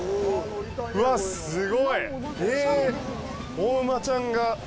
お馬ちゃんが。